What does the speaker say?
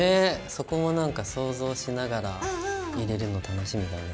そこもなんか想像しながら入れるの楽しみだね。